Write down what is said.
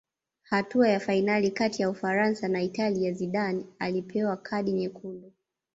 hatua ya fainali kati ya ufaransa na italia zidane alipewa kadi nyekundu